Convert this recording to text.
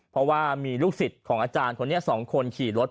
เพราะว่ามีลูกศิษย์ของอาจารย์คนนี้๒คนขี่รถ